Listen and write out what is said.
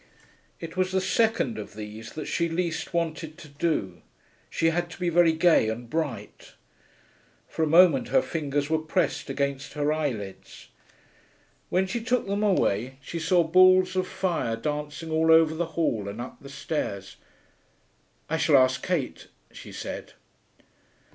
It was the second of these that she least wanted to do. She had to be very gay and bright.... For a moment her fingers were pressed against her eyelids. When she took them away she saw balls of fire dancing all over the hall and up the stairs. 'I shall ask Kate,' she said.